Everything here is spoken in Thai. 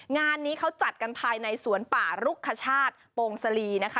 งานนี้เขาจัดกันภายในสวนป่ารุกคชาติโปรงสลีนะคะ